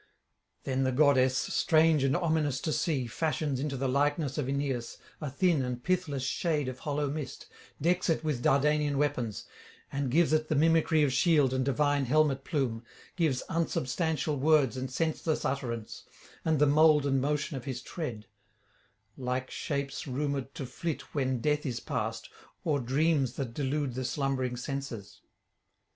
Then the goddess, strange and ominous to see, fashions into the likeness of Aeneas a thin and pithless shade of hollow mist, decks it with Dardanian weapons, and gives it the mimicry of shield and divine helmet plume, gives unsubstantial [640 673]words and senseless utterance, and the mould and motion of his tread: like shapes rumoured to flit when death is past, or dreams that delude the slumbering senses.